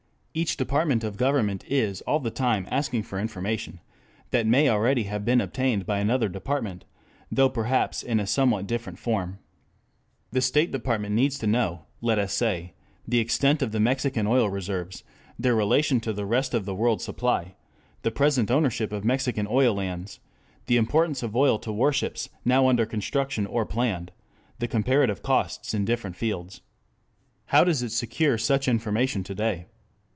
Each department of government is all the time asking for information that may already have been obtained by another department, though perhaps in a somewhat different form. The State Department needs to know, let us say, the extent of the Mexican oil reserves, their relation to the rest of the world's supply, the present ownership of Mexican oil lands, the importance of oil to warships now under construction or planned, the comparative costs in different fields. How does it secure such information to day?